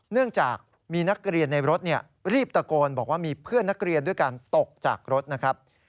เนื่องจากมีนักเรียนในรถรีบตะโกนบอกว่ามีเพื่อนนักเรียนด้วยการตกจากรถนะครับ